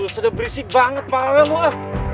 sudah berisik banget malem lo ah